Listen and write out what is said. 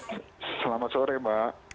selamat sore mbak